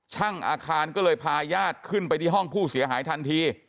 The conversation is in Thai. ช่างอาคารก็เลยพาญาติขึ้นไปที่ห้องผู้เสียหายทันที